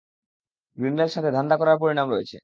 Grindle সাথে ধান্দা করার পরিণাম রয়েছে।